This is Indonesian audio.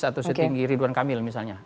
atau setinggi ridwan kamil misalnya